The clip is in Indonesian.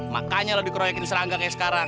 makanya lo dikeroyakin serangga kayak sekarang